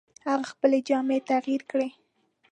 هغه خپلې جامې تغیر کړې.